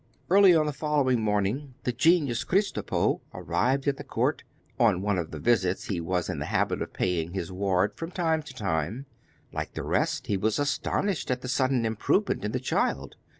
Early on the following morning the genius Kristopo arrived at the Court, on one of the visits he was in the habit of paying his ward from time to time. Like the rest, he was astonished at the sudden improvement in the child.